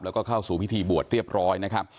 แล้วก็เข้าสู่พิธีบวชเรียบร้อยนะครับ